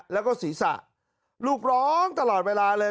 แล้วก็ศีรษะลูกร้องตลอดเวลาเลย